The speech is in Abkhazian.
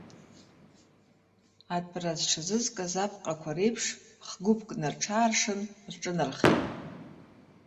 Атәара зҽазызкыз апҟақәа реиԥш, х-гәыԥкны рҽааршан, рҿынархеит.